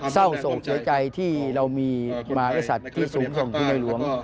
เศร้าส่งเฉยใจที่เรามีมารสัตว์ที่สูงส่งที่ในหลวง